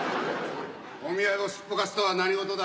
お見合いをすっぽかすとは何事だ。